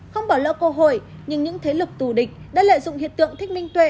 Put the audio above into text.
không bỏ lỡ cơ hội nhưng những thế lực thù địch đã lợi dụng hiện tượng thích minh tuệ